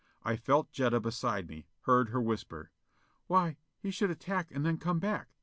I felt Jetta beside me: heard her whisper: "Why, he should attack and then come back!